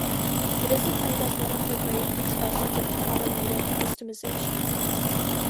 It is acclaimed as one of the great expressions of automotive customization.